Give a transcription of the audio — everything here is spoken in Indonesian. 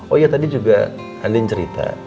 oh iya tadi juga andin cerita